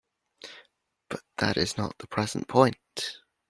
But that is not the present point.